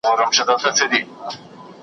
زموږ پر کور باندي نازل دومره لوی غم دی .